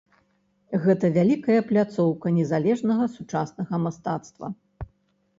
Гэта вялікая пляцоўка незалежнага сучаснага мастацтва.